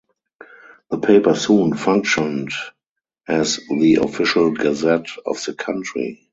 The paper soon functioned as the official gazette of the country.